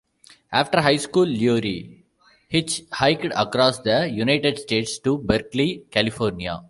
After high school Lurie hitch-hiked across the United States to Berkeley, California.